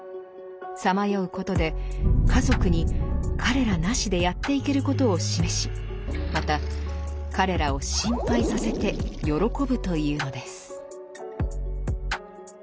さまようことで家族に彼らなしでやっていけることを示しまた彼らを心配させて喜ぶというのです。